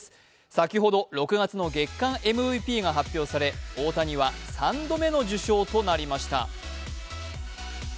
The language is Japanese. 先ほど６月の月間ＭＶＰが発表され大谷は３度目の受賞となりました。